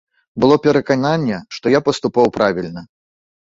Было перакананне, што я паступаў правільна.